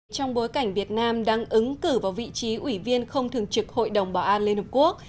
trong bối cảnh việt nam đang ứng cử vào vị trí ủy viên không thường trực hội đồng bảo an liên hợp quốc